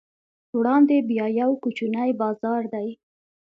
وړاندې بیا یو کوچنی بازار دی.